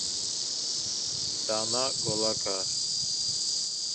ডানা গোলাকার।